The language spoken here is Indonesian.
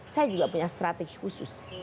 saya juga punya strategi khusus